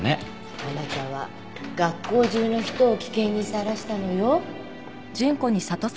あなたは学校中の人を危険にさらしたのよ。